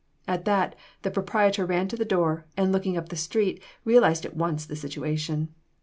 At that, the proprietor ran to the door, and looking up the street, realized at once the situation.